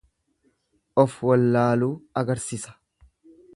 Of wallaaluu agarsisa.